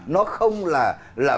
nó không là